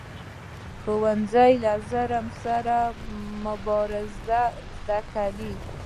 ښوونځی له ظلم سره مبارزه زده کوي